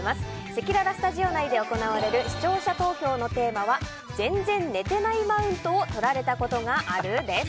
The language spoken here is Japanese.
せきららスタジオ内で行われる視聴者投票のテーマは全然寝てないマウントをとられたことがある？です。